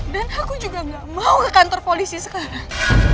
dan aku juga gak mau ke kantor polisi sekarang